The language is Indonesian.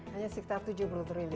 hanya sekitar tujuh puluh triliun